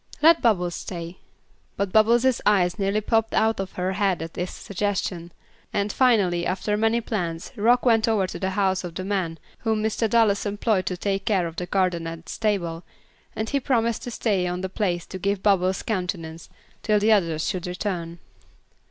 "Let Bubbles stay." But Bubbles' eyes nearly popped out of her head at this suggestion; and, finally, after many plans Rock went over to the house of the man whom Mr. Dallas employed to take care of the garden and stable, and he promised to stay on the place to give Bubbles countenance, till the others should return.